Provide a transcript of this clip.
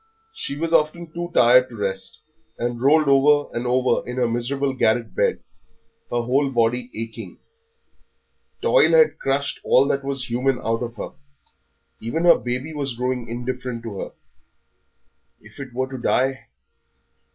She was often too tired to rest, and rolled over and over in her miserable garret bed, her whole body aching. Toil crushed all that was human out of her; even her baby was growing indifferent to her. If it were to die!